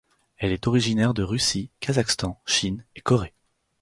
Elle est originaire de Russie, Kazakhstan Chine et Corée.